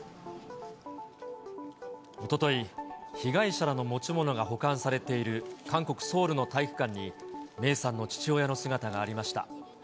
おととい、被害者らの持ち物が保管されている韓国・ソウルの体育館に、芽生さんの父親の姿がありました。